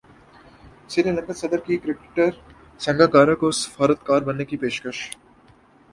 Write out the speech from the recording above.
سری لنکن صدر کی کرکٹر سنگاکارا کو سفارتکار بننے کی پیشکش